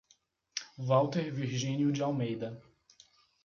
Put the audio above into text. Walter Virginio de Almeida